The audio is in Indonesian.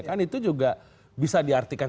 kan itu juga bisa diartikan